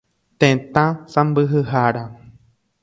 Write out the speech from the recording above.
Tetã sãmbyhyhára.